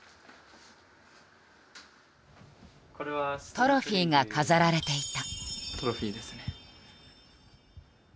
トロフィーが飾られていた。